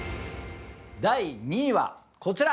第２位はこちら。